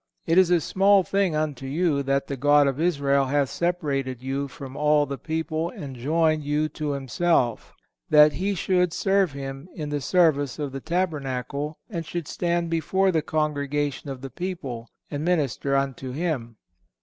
Is it a small thing unto you, that the God of Israel hath separated you from all the people and joined you to Himself, that ye should serve Him in the service of the tabernacle, and should stand before the congregation of the people and minister unto Him?"